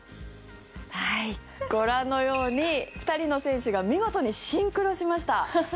ご覧のように、２人の選手が見事にシンクロしました。